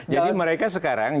jadi mereka sekarang